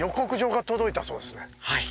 はい。